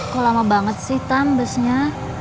kok lama banget sih tam busnya